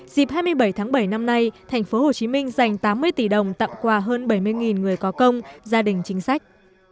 dịp hai mươi bảy tháng bảy năm nay tp hcm dành tám mươi tỷ đồng tặng quà hơn bảy mươi người có công gia đình chính sách